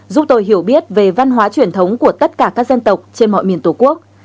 giúp tôi hiểu biết về văn hóa truyền thống của tất cả các dân tộc trên mọi miền tổ quốc